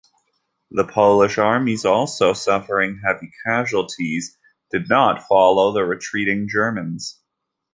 The Polish armies, also suffering heavy casualties, did not follow the retreating Germans.